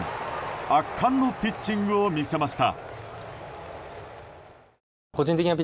圧巻のピッチングを見せました。